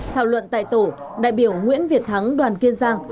thảo luận tại tổ đại biểu nguyễn việt thắng đoàn kiên giang